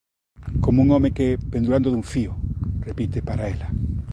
"Como un home que, pendurando dun fío", repite para ela.